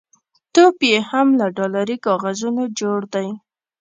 ټوپ یې هم له ډالري کاغذونو جوړ دی.